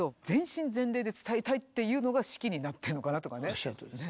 おっしゃるとおりです。